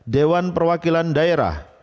dewan perwakilan daerah